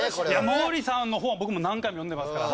毛利さんの本僕も何回も読んでますから。